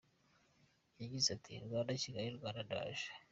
Yagize ati” Rwanda Kigali, Rwanda, ndaje…”.